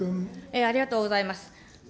ありがとうございます。